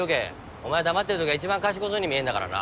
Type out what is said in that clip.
お前は黙ってるときが一番賢そうに見えんだからな。